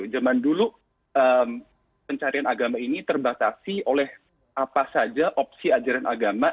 zaman dulu pencarian agama ini terbatasi oleh apa saja opsi ajaran agama